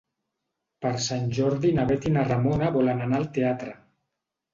Per Sant Jordi na Bet i na Ramona volen anar al teatre.